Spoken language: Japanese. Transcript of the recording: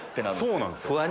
そうなんです